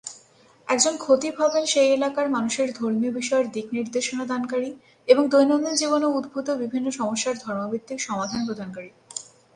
একজন খতিব হবেন সেই এলাকার মানুষের ধর্মীয় বিষয়ের দিকনির্দেশনা দানকারী এবং দৈনন্দিন জীবনে উদ্ভূত বিভিন্ন সমস্যার ধর্মভিত্তিক সমাধা প্রদানকারী।